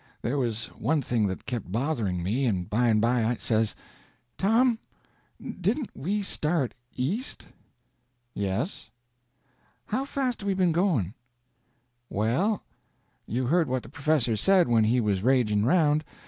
There was one thing that kept bothering me, and by and by I says: "Tom, didn't we start east?" "Yes." "How fast have we been going?" "Well, you heard what the professor said when he was raging round.